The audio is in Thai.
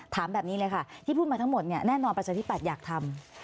ถามแบบนี้เลยค่ะที่พูดมาทั้งหมดแน่นอนปัจจัยพี่ปัจอยากทำ